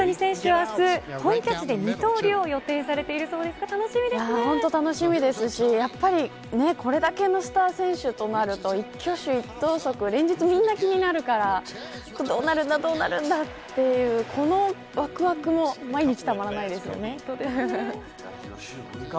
明日、本拠地で二刀流を予定されているそうですが本当楽しみですしこれだけのスター選手となると一挙手一投足連日、みんな気になるからどうなるんだというこの、わくわくも毎日たまらないですよね。